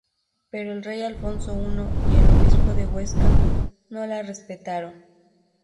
Pero el rey Alfonso I y el obispo de Huesca no la respetaron.